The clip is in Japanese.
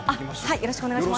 よろしくお願いします。